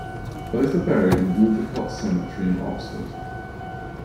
Both are buried in Wolvercote Cemetery in Oxford.